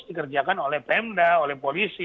dikerjakan oleh pemda oleh polisi